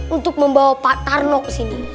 untuk membawa pak tarno kesini